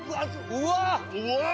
うわっ！